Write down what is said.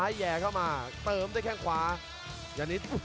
ประโยชน์ทอตอร์จานแสนชัยกับยานิลลาลีนี่ครับ